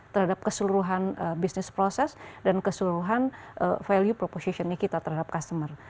terhadap keseluruhan business process dan keseluruhan value proposition kita terhadap customer